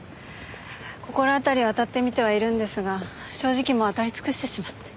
心当たりをあたってみてはいるんですが正直もうあたり尽くしてしまって。